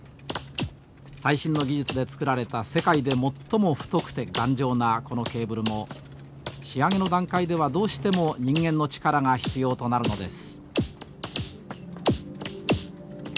最新の技術でつくられた世界で最も太くて頑丈なこのケーブルも仕上げの段階ではどうしても人間の力が必要となるのです。